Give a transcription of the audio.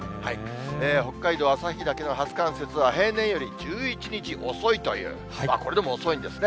北海道旭岳の初冠雪は、平年より１１日遅いという、これでも遅いんですね。